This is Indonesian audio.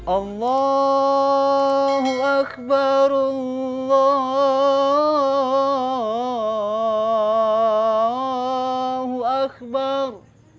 allah akbar allah akbar